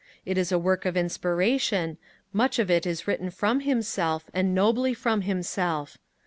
It is a work of inspiration, much of it is written from himself, and nobly from himself.